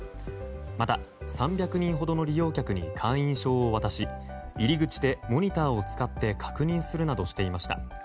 また、３００人ほどの利用客に会員証を渡し入り口でモニターを使って確認するなどしていました。